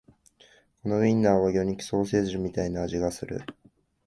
このウインナーは魚肉ソーセージみたいな味がする